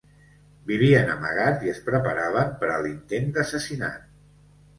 Vivien amagats i es preparaven per a l'intent d'assassinat.